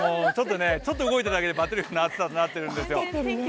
ちょっと動いただけでバテるような暑さになっているんですよ。